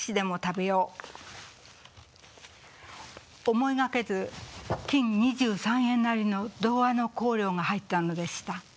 思いがけず金二十三円なりの童話の稿料が入ったのでした。